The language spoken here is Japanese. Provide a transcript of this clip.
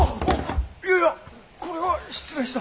いやいやこれは失礼した！